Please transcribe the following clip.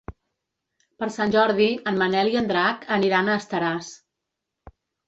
Per Sant Jordi en Manel i en Drac aniran a Estaràs.